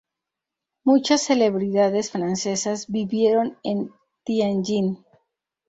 Muchas celebridades francesas vivieron en Tianjin.